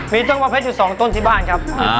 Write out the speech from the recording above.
มีต้นมะเพชรอยู่๒ต้นที่บ้านครับ